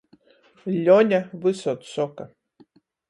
Ļone vysod soka.